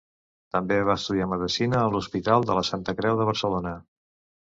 També va estudiar medicina a l'Hospital de la Santa Creu de Barcelona.